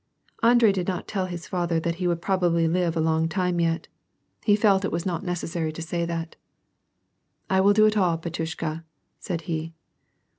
Andrei did not tell his father that he would probably live a long time yet. He felt that it was not necessary to say that. "I will do it all, batyushka," said he.